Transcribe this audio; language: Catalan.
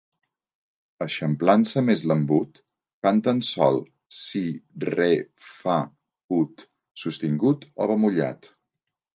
Eixamplant-se més l'embut, canten sol, si, re, fa, ut, sostingut o bemollat.